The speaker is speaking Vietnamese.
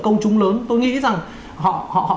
công chúng lớn tôi nghĩ rằng họ